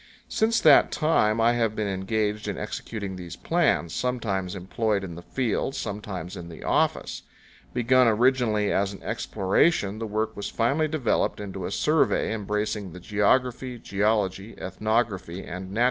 Since that time I have been engaged in executing these plans, sometimes employed in the field, sometimes in the office. Begun originally as an exploration, the work was finally developed into a survey, embracing the geography, geology, ethnography, and natural 121 powell canyons 78.